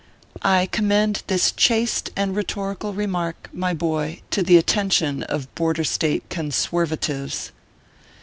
I commend this chaste and rhetorical remark, my boy, to the attention of Border State Conswervatives.